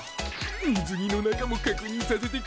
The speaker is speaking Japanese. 水着の中も確認させてくれ。